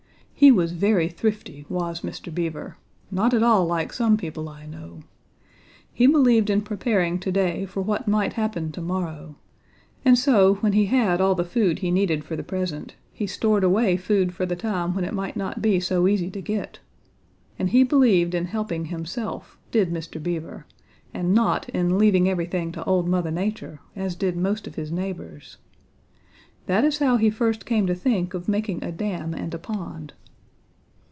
"He was very thrifty, was Mr. Beaver; not at all like some people I know. He believed in preparing to day for what might happen to morrow, and so when he had all the food he needed for the present, he stored away food for the time when it might not be so easy to get. And he believed in helping himself, did Mr. Beaver, and not in leaving everything to Old Mother Nature, as did most of his neighbors. That is how he first came to think of making a dam and a pond.